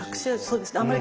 そうですね。